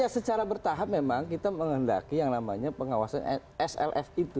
ya secara bertahap memang kita menghendaki yang namanya pengawasan slf itu